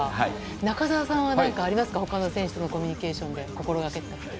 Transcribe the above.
中澤さんは、なんかありますか、ほかの選手とのコミュニケーションで心がけてたこと。